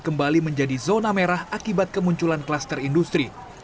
kembali menjadi zona merah akibat kemunculan kluster industri